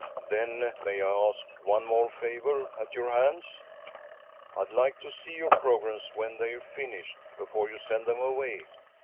"Then may I ask one more favour at your hands? I'd like to see your programmes when they're finished, before you send them away.